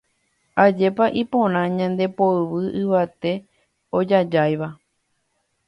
Ajépa iporã ñande poyvi yvate ojajáiva.